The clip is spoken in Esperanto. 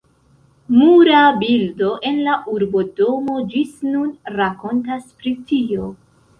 Mura bildo en la urbodomo ĝis nun rakontas pri tio.